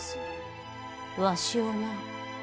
わしをな！